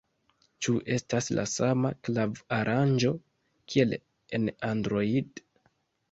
Ĉu estas la sama klav-aranĝo kiel en Android?